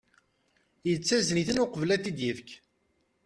Yettazen-iten uqbel ad ten-id-yefk.